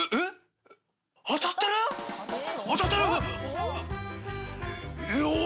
当たってるー！